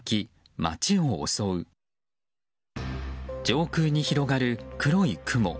上空に広がる黒い雲。